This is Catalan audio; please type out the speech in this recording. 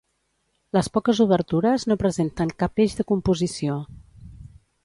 Les poques obertures no presenten cap eix de composició.